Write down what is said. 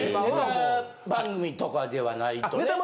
ネタ番組とかではないとね。